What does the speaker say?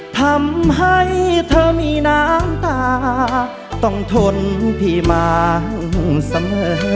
ทำให้เธอมีน้ำตาต้องทนพี่มาเสมอ